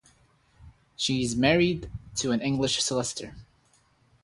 She is married to an English solicitor.